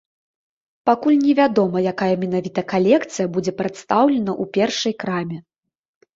Пакуль невядома, якая менавіта калекцыя будзе прадстаўлена ў першай краме.